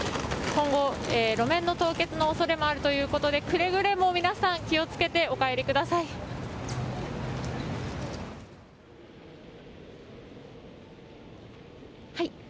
今後、路面の凍結の恐れもあるということでくれぐれも皆さん、気を付けてお帰りください。